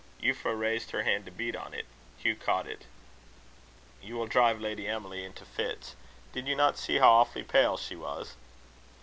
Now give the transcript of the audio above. Euphra raised her hand to beat on it. Hugh caught it. "You will drive Lady Emily into fits. Did you not see how awfully pale she was?"